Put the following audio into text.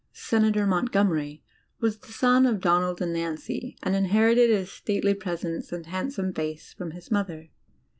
Senator Montgomery, was the son of Donald and Nancy, and inherited his stately presence and handsome face from his mother.